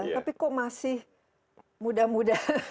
tapi kok masih muda muda